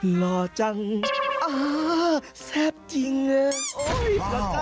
หื้อหื้อหื้อหื้อหื้อหื้อ